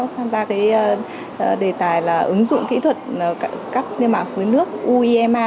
tham gia cái đề tài là ứng dụng kỹ thuật cắt niêm mạng khối nước uima